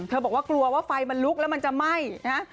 บอกว่ากลัวว่าไฟมันลุกแล้วมันจะไหม้นะฮะ